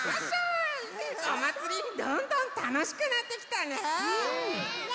おまつりどんどんたのしくなってきたね。ね！